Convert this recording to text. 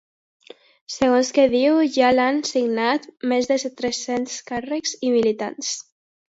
Segons que diu, ja l’han signat més de tres-cents càrrecs i militants.